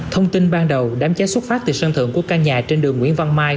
thông tin ban đầu đám cháy xuất phát từ sân thượng của căn nhà trên đường nguyễn văn mai